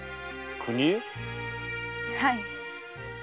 はい。